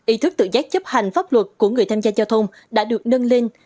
ý thức tự giác chấp hành pháp luật của người tham gia giao thông đã được nâng lên